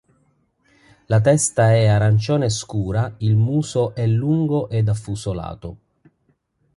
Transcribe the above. La testa è arancione scura, il muso è lungo ed affusolato.